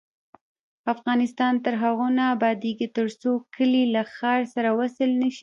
افغانستان تر هغو نه ابادیږي، ترڅو کلي له ښار سره وصل نشي.